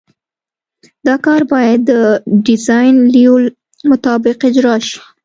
دا کار باید د ډیزاین لیول مطابق اجرا شي